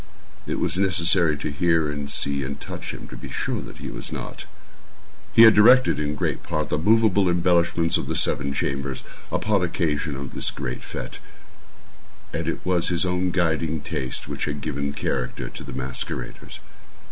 It was necessary to hear and see and touch him to be sure that he was not. He had directed, in great part, the moveable embellishments of the seven chambers, upon occasion of this great fête; and it was his own guiding taste which had given character to the masqueraders.